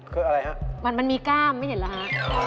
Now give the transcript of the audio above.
คืออะไรฮะมันมีก้ามไม่เห็นเหรอฮะ